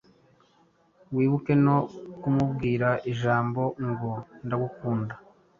wibuke no kumubwira ijambo ngo ndagukunda